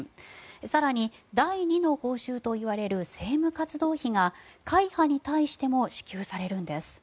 更に、第２の報酬といわれる政務活動費が会派に対しても支給されるんです。